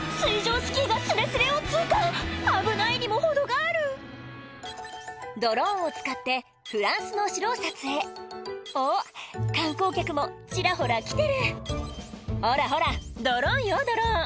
スキーがスレスレを通過危ないにも程があるドローンを使ってフランスのお城を撮影おっ観光客もちらほら来てる「ほらほらドローンよドローン」